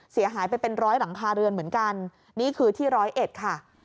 เสียหายไปเป็น๑๐๐หลังคาเรือนเหมือนกันนี่คือที่๑๐๑ค่ะ